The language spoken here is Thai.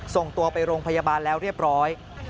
ส่งตัวไปโรงพยาบาลแล้วเรียบร้อย